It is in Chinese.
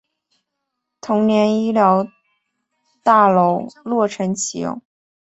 同年医疗大楼落成启用。